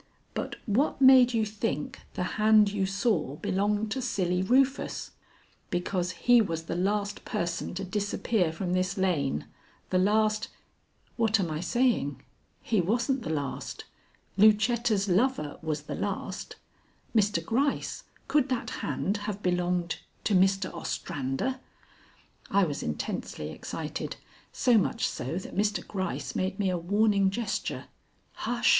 But what made you think the hand you saw belonged to Silly Rufus?" "Because he was the last person to disappear from this lane. The last what am I saying? He wasn't the last. Lucetta's lover was the last. Mr. Gryce, could that hand have belonged to Mr. Ostrander?" I was intensely excited; so much so that Mr. Gryce made me a warning gesture. "Hush!"